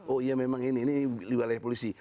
oh iya memang ini ini diwalah polisi